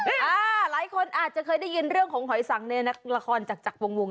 หลายคนอาจจะเคยได้ยินเรื่องของหอยสังในละครจากจากวง